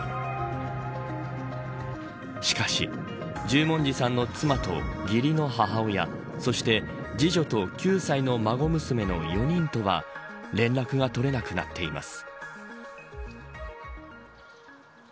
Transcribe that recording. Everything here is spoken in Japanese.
しかし十文字さんの妻と義理の母親そして次女と９歳の孫娘の４人とは連絡が取れなくなっています。